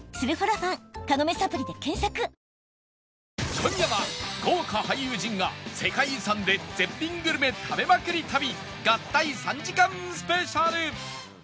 今夜は豪華俳優陣が世界遺産で絶品グルメ食べまくり旅合体３時間スペシャル